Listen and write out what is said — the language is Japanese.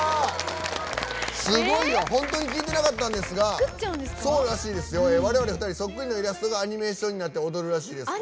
すごいな、本当に聞いてなかったんですが我々２人そっくりのキャラクターデザインでアニメーションになって踊るらしいです。